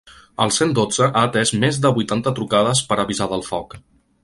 El cent dotze ha atès més de vuitanta trucades per avisar del foc.